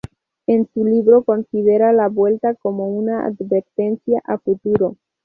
En su libro considera la revuelta como una advertencia a futuro.